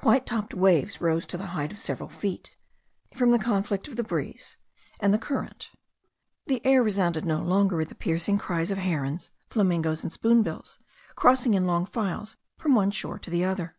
White topped waves rose to the height of several feet, from the conflict of the breeze and the current. The air resounded no longer with the piercing cries of herons, flamingos, and spoonbills, crossing in long files from one shore to the other.